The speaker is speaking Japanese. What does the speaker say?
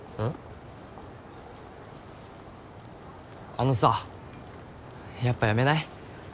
あのさやっぱやめない？